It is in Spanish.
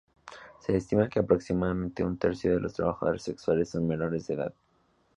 Se estima que aproximadamente un tercio de las trabajadoras sexuales son menores de edad.